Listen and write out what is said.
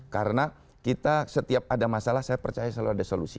karena kita setiap ada masalah saya percaya selalu ada solusi